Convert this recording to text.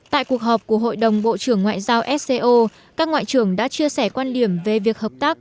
tại cuộc họp của hội đồng bộ trưởng ngoại giao sco các ngoại trưởng đã chia sẻ quan điểm về việc hợp tác